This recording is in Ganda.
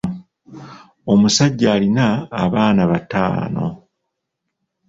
Omusajja alina abaana bataano.